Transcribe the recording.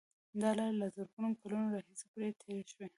دا لاره له زرګونو کلونو راهیسې پرې تېر شوي.